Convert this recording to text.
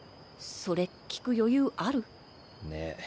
それ聞く余裕ある？ねぇ。